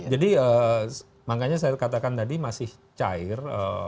jadi makanya saya katakan tadi masih cair